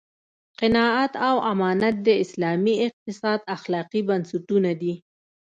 قناعت او امانت د اسلامي اقتصاد اخلاقي بنسټونه دي.